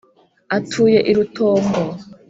Atuye i Rutongo.